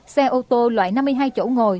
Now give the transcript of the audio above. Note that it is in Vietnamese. xe ô tô loại năm mươi hai chỗ ngồi